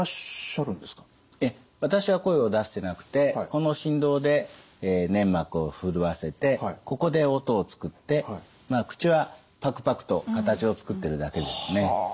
いえ私は声を出してなくてこの振動で粘膜を震わせてここで音を作って口はパクパクと形を作ってるだけですね。